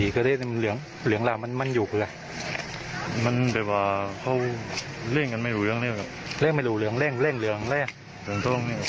คุยกันแล้วได้พูดสิ